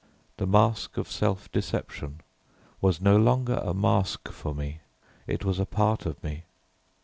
The mask of self deception was no longer a mask for me, it was a part of me.